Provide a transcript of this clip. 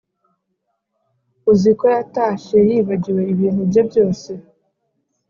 Uziko yatashye yibagiwe ibintu bye byose